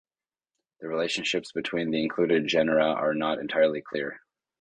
The relationships between the included genera are not entirely clear.